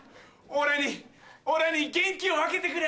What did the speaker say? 俺に元気を分けてくれ！